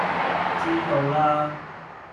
知道啦